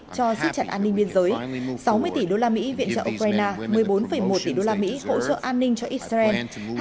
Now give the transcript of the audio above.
cho xích chặt an ninh biên giới sáu mươi tỷ đô la mỹ viện trợ ukraine một mươi bốn một tỷ đô la mỹ hỗ trợ an ninh cho israel